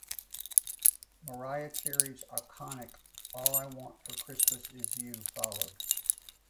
Mariah Carey's iconic "All I Want for Christmas is You" followed.